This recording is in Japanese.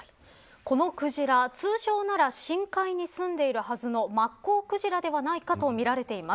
このクジラ通常なら深海にすんでいるはずのマッコウクジラではないかとみられています。